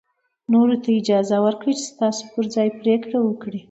نورو ته اجازه ورکړئ چې ستاسو پر ځای پرېکړه وکړي.